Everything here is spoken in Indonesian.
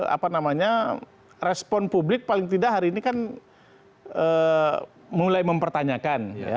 apa namanya respon publik paling tidak hari ini kan mulai mempertanyakan